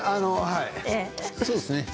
そうですね。